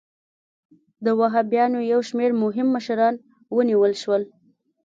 د وهابیانو یو شمېر مهم مشران ونیول شول.